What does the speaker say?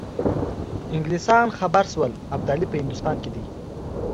انګلیسان خبر شول ابدالي په هندوستان کې دی.